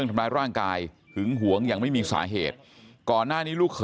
นำใจนะ